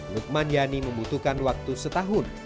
lukman yani membutuhkan waktu setahun